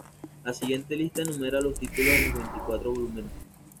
La siguiente lista enumera los títulos de los veinticuatro volúmenes.